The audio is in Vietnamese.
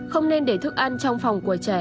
không nên để thức ăn trong phòng của trẻ